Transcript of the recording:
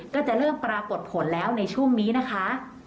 ก็จะเริ่มปรากฏผลแล้วในช่วงนี้นะคะ